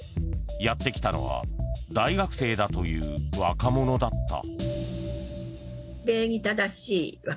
やってきたのは大学生だという若者だった。